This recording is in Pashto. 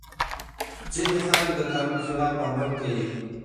ځينې خلګ د قانون خلاف عمل کوي.